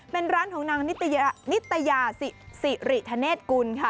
เป็นร้านของนางนิตยาสิริธเนธกุลค่ะ